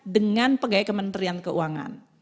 dengan pegawai kementerian keuangan